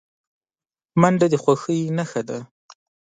منډه د خوښۍ نښه ده